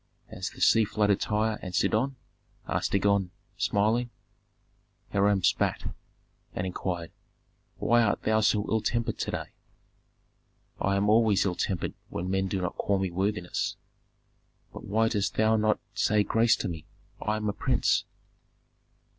"Has the sea flooded Tyre and Sidon?" asked Dagon, smiling. Hiram spat, and inquired, "Why art thou so ill tempered to day?" "I am always ill tempered when men do not call me worthiness." "But why dost thou not say grace to me? I am a prince."